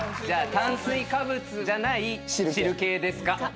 じゃあ「炭水化物じゃない汁系ですか？」